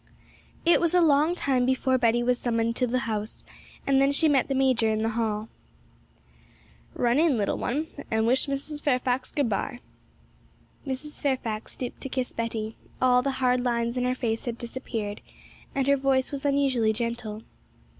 It was a long time before Betty was summoned to the house; and then she met the major in the hall. 'Run in, little one, and wish Mrs. Fairfax good bye.' Mrs. Fairfax stooped to kiss Betty; all the hard lines in her face had disappeared, and her voice was unusually gentle.